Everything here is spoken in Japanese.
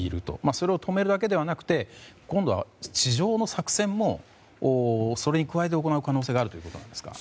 それを止めるだけではなくて今度は地上の作戦もそれに加えて行う可能性があるということですか。